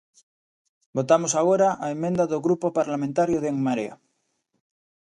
Votamos agora a emenda do Grupo Parlamentario de En Marea.